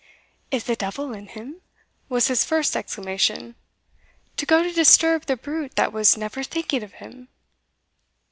"Is the devil in him," was his first exclamation, "to go to disturb the brute that was never thinking of him!"